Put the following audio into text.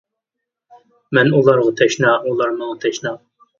مەن ئۇلارغا تەشنا، ئۇلار ماڭا تەشنا.